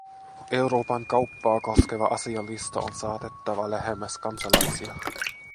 Euroopan kauppaa koskeva asialista on saatettava lähemmäs kansalaisia.